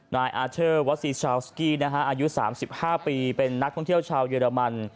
นายอาเทอร์วัสซีชาวสกี้อายุ๓๕ปีเป็นนักท่องเที่ยวชาวเยอรมัน